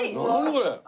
これ！